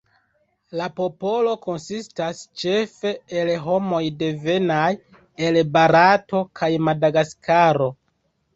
La popolo konsistas ĉefe el homoj devenaj el Barato kaj Madagaskaro.